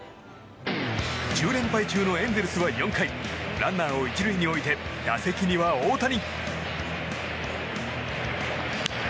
１０連敗中のエンゼルスは４回ランナーを１塁に置いて打席には大谷。